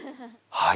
はい！